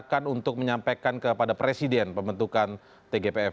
soal desakan untuk menyampaikan kepada presiden pembentukan tgpf